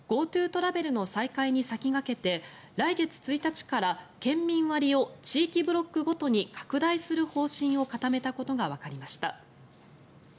ＧｏＴｏトラベルの再開に先駆けて来月１日から県民割を地域ブロックごとに拡大する方針を固めたことがわかりました。